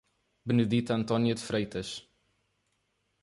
Benedita Antônia de Freitas